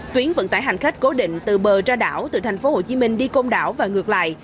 tuyến vận tải hành khách cố định từ bờ ra đảo từ thành phố hồ chí minh đi công đảo và ngược lại